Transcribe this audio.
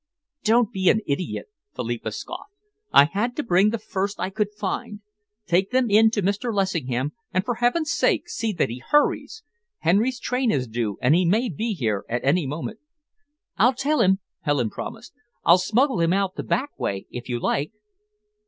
"Don't be an idiot," Philippa scoffed. "I had to bring the first I could find. Take them in to Mr. Lessingham, and for heaven's sake see that he hurries! Henry's train is due, and he may be here at any moment." "I'll tell him," Helen promised. "I'll smuggle him out of the back way, if you like."